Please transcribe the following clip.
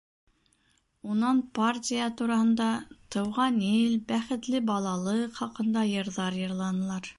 Унан партия тураһында, Тыуған ил, бәхетле балалыҡ хаҡында йырҙар йырланылар.